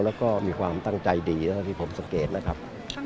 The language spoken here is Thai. แล้วก็มีความตั้งใจดีเท่าที่ผมสังเกตนะครับ